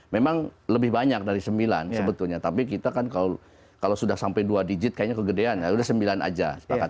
memang lebih banyak dari sembilan sebetulnya tapi kita kan kalau sudah sampai dua digit kayaknya kegedean ya udah sembilan aja sepakat